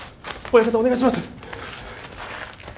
親方お願いします。